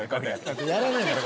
やらないんだよ